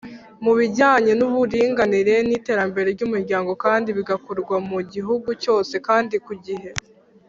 mu bijyanye n’ uburinganire n’ iterambere ry’umuryango kandi bigakorwa mu gihugu cyose kandi kugihe.